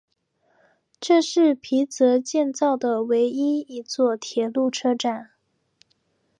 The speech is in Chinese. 这是皮泽建造的唯一一座铁路车站。